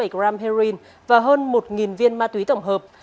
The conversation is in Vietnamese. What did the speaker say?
bảy gram heroin và hơn một viên ma túy tổng hợp